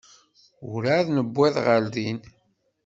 Ur εad newwiḍ ɣer din.